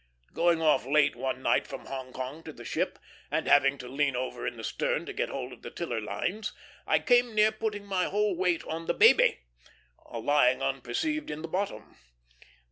Going off late one night from Hong Kong to the ship, and having to lean over in the stern to get hold of the tiller lines, I came near putting my whole weight on the baby, lying unperceived in the bottom.